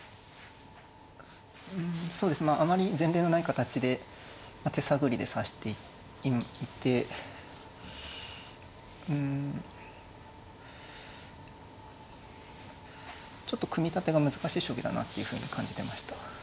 うんそうですねあまり前例のない形で手探りで指していてうんちょっと組み立てが難しい将棋だなっていうふうに感じてました。